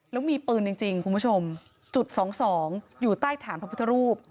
แล้วมีปืนจริงคุณผู้ชมจุดสองสองอยู่ใต้ฐานพระพุทธรูป